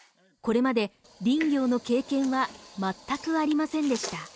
これまで林業の経験は全くありませんでした。